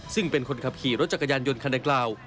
ซึ่งเป็นคนขับขี่รถจักรยานยนต์คันดังกล่าว